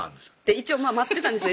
一応待ってたんですね